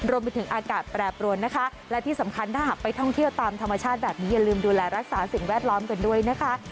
รวมไปถึงอากาศแปรปรวนนะคะและที่สำคัญถ้าหากไปท่องเที่ยวตามธรรมชาติแบบนี้อย่าลืมดูแลรักษาสิ่งแวดล้อมกันด้วยนะคะ